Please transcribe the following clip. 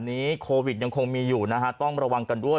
โควิดยังคงมีอยู่นะฮะต้องระวังกันด้วย